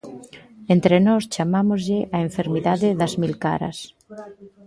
Entre nós chamámoslle a enfermidade das mil caras.